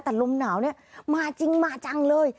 แต่ลมหนาวเนี่ยมาจริงมาจังเลย